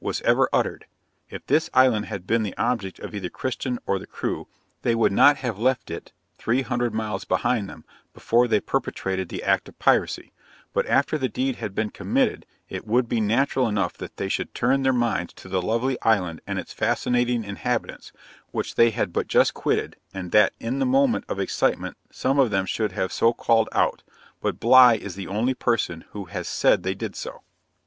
was ever uttered; if this island had been the object of either Christian or the crew, they would not have left it three hundred miles behind them, before they perpetrated the act of piracy; but after the deed had been committed, it would be natural enough that they should turn their minds to the lovely island and its fascinating inhabitants, which they had but just quitted, and that in the moment of excitement some of them should have so called out; but Bligh is the only person who has said they did so.